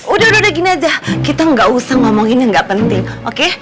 udah udah gini aja kita gak usah ngomongin yang gak penting oke